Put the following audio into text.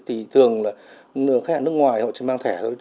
thì thường là khách hàng nước ngoài họ chỉ mang thẻ thôi